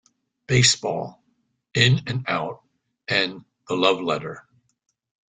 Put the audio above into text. Baseball"; "In and Out" and "The Love Letter".